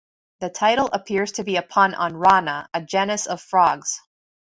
The title appears to be a pun on "rana", a genus of frogs.